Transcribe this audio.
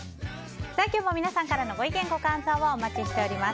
今日もも皆さんからのご意見、ご感想をお待ちしています。